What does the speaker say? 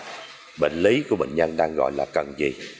thầy ghi ra là bệnh lý của bệnh nhân đang gọi là cần gì